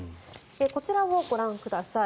こちらをご覧ください。